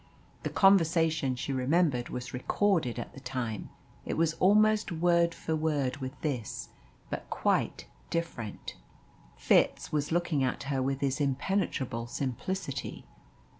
The conversation she remembered was recorded at the time it was almost word for word with this, but quite different. Fitz was looking at her with his impenetrable simplicity.